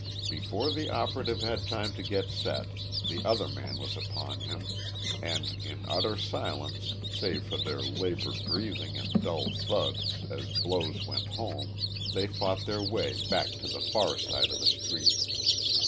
Before the operative had time to get set the other man was upon him and, in utter silence save for their labored breathing and dull thuds as blows went home, they fought their way back to the far side of the street.